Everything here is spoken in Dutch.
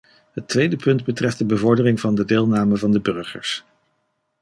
Het tweede punt betreft de bevordering van de deelname van de burgers.